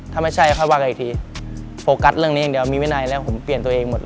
ถ้าไม่ใช่ค่อยว่ากันอีกทีโฟกัสเรื่องนี้อย่างเดียวมีวินัยแล้วผมเปลี่ยนตัวเองหมด